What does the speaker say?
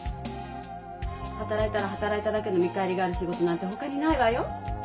働いたら働いただけの見返りがある仕事なんてほかにないわよ。